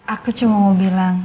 aku cuma mau bilang